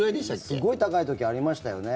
すごい高い時ありましたよね。